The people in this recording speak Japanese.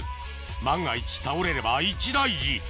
万が一倒れれば一大事